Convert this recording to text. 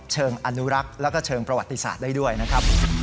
เชิงอนุรักษ์แล้วก็เชิงประวัติศาสตร์ได้ด้วยนะครับ